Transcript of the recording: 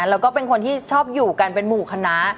แล้วก็เป็นคนที่ชอบอยู่กันเป็นหมู่คณะ